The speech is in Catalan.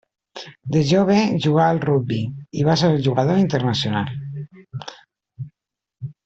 De jove jugà al rugbi, i en va ser jugador internacional.